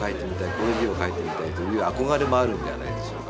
こういう字を書いてみたい」という憧れもあるんじゃないでしょうか。